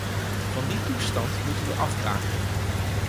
Van die toestand moeten we afraken.